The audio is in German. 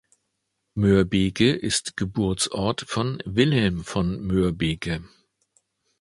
Moerbeke ist Geburtsort von Wilhelm von Moerbeke.